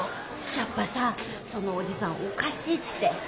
やっぱさそのおじさんおかしいって。